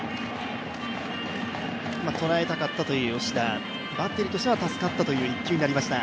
とらえたかったという吉田、バッテリーとしては助かったという１球になりました。